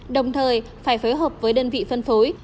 đồng thời phải phối hợp với đơn vị phân phối